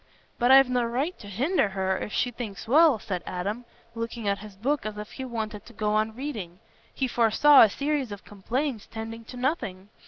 "But I've no right t' hinder her, if she thinks well," said Adam, looking at his book as if he wanted to go on reading. He foresaw a series of complaints tending to nothing.